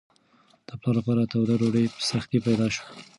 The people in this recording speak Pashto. د پلار لپاره توده ډوډۍ په سختۍ پیدا شوه.